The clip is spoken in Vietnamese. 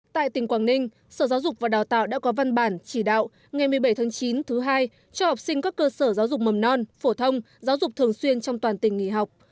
tại tỉnh quảng ninh sở giáo dục và đào tạo đã có văn bản chỉ đạo ngày một mươi bảy tháng chín thứ hai cho học sinh các cơ sở giáo dục mầm non phổ thông giáo dục thường xuyên trong toàn tỉnh nghỉ học